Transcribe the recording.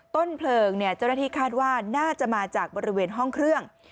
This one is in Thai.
ต้นเพลิงเจ้าหน้าที่คาดว่าน่าจะมาจากบริเวณห้องเครื่อง